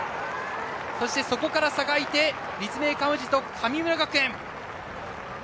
そしてそこから差が開いて立命館宇治と神村学園。